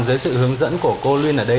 dưới sự hướng dẫn của cô luyên ở đây